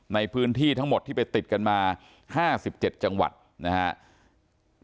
ในพื้นที่ทั้งหมดที่ไปติดกันมา๕๗จังหวัดนะครับ